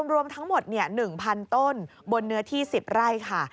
รวมทั้งหมด๑๐๐๐ต้นบนเนื้อที่๑๐ไร่ค่ะ